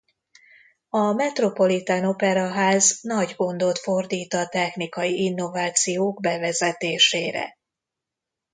A Metropolitan Operaház nagy gondot fordít a technikai innovációk bevezetésére.